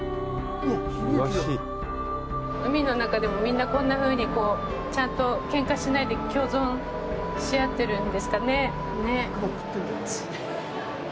海の中でも、みんなこういうふうにちゃんとけんかしないで共存し合ってるんですかね。